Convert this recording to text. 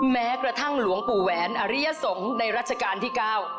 แม้กระทั่งหลวงปู่แหวนอริยสงฆ์ในรัชกาลที่๙